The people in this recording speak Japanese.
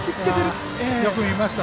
よく見ました。